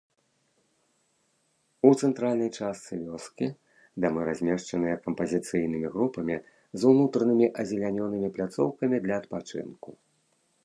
У цэнтральнай частцы вёскі дамы размешчаныя кампазіцыйнымі групамі з унутранымі азялененымі пляцоўкамі для адпачынку.